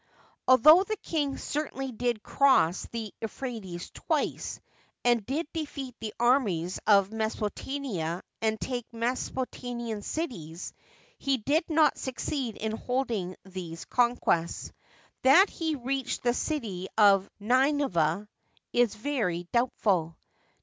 * Although the king certainly did cross the Euphrates twice, and did defeat the armies of Meso potamia and take Mesopotamian cities, he did not succeed in holding these conquests. That he reached the city of Nineveh is very doubtful.